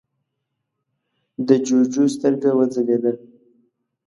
د جُوجُو سترګه وځلېده: